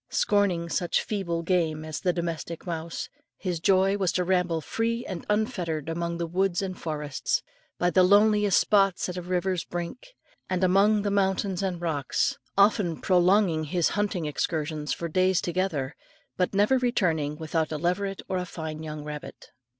Scorning such feeble game as the domestic mouse, his joy was to ramble free and unfettered among the woods and forests, by the loneliest spots at the river's brink, and among the mountains and rocks; often prolonging his hunting excursions for days together, but never returning without a leveret or fine young rabbit.